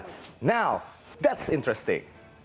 sekarang itu menarik